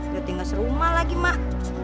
dia tinggal serumah lagi mak